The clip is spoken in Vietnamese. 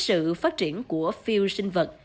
sự phát triển của phiêu sinh vật